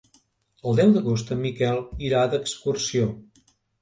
El deu d'agost en Miquel irà d'excursió.